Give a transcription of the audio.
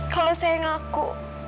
kalau saya ngaku